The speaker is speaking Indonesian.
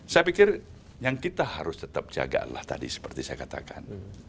saya pikir yang kita harus tetap jagalah tadi seperti saya katakan